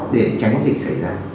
để tránh dịch xảy ra